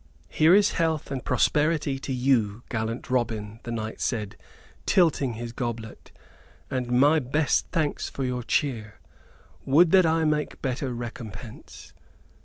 "Here is health and prosperity to you, gallant Robin," the knight said, tilting his goblet, "and my best thanks for your cheer. Would that I might make better recompense."